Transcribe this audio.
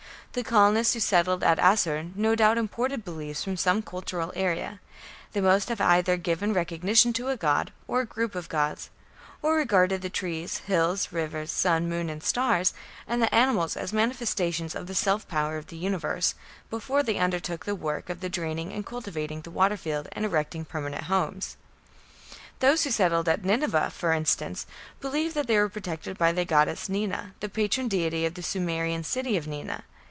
The colonists who settled at Asshur no doubt imported beliefs from some cultural area; they must have either given recognition to a god, or group of gods, or regarded the trees, hills, rivers, sun, moon, and stars, and the animals as manifestations of the "self power" of the Universe, before they undertook the work of draining and cultivating the "water field" and erecting permanent homes. Those who settled at Nineveh, for instance, believed that they were protected by the goddess Nina, the patron deity of the Sumerian city of Nina.